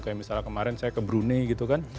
kayak misalnya kemarin saya ke brunei gitu kan